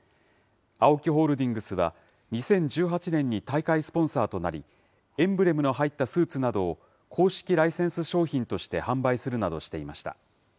ＡＯＫＩホールディングスは、２０１８年に大会スポンサーとなり、エンブレムの入ったスーツなどを、公式ライセンス商品として販売するなどしていました。